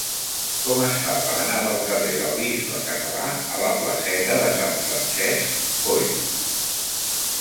Com es fa per anar del carrer del Bisbe Català a la placeta de Sant Francesc Coll?